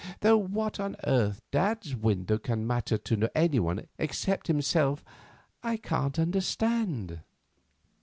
Though what on earth dad's window can matter to anyone except himself, I can't understand."